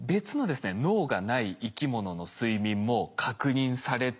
脳がない生きものの睡眠も確認されて。